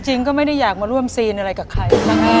ก็ไม่ได้อยากมาร่วมซีนอะไรกับใคร